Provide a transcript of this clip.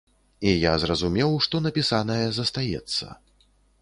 І я зразумеў, што напісанае застаецца.